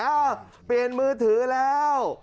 เปลี่ยนมือถือแล้ว